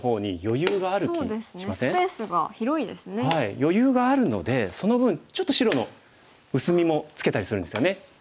余裕があるのでその分ちょっと白の薄みもつけたりするんですよね。